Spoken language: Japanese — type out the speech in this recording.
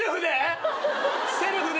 セルフで！？